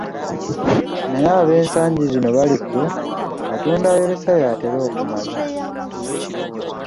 Naye ab'ensangi zino bali ku, "Atunda ayolesa yatera okumaza".